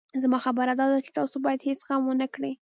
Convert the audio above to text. زما خبره داده چې تاسو بايد هېڅ غم ونه کړئ.